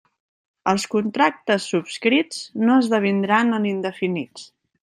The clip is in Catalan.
Els contractes subscrits no esdevindran en indefinits.